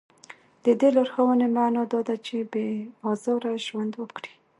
د دې لارښوونې معنا دا ده چې بې ازاره ژوند وکړي.